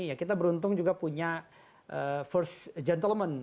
ya kita beruntung juga punya first gentlement